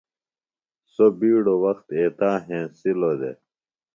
سوۡ بِیڈوۡ وخت ایتا ہینسِلوۡ دےۡ